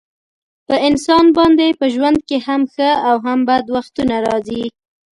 په انسان باندې په ژوند کې هم ښه او هم بد وختونه راځي.